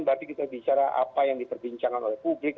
berarti kita bicara apa yang diperbincangkan oleh publik